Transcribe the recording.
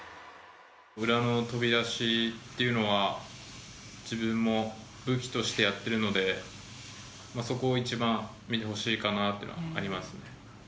裏の飛び出しっていうのは自分も武器としてやってるのでそこを一番見てほしいかなっていうのはありますね。